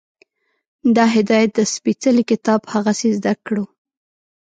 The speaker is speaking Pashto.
د هدایت دا سپېڅلی کتاب هغسې زده کړو